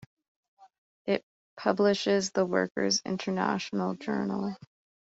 It publishes the "Workers International Journal".